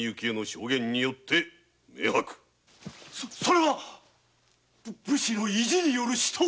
それは武士の意地による私闘。